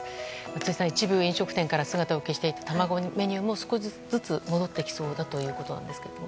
辻さん、一部飲食店から姿を消していた卵メニューも少しずつ戻ってきそうだということですが。